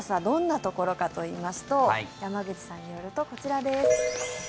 どんなところかといいますと山口さんによると、こちらです。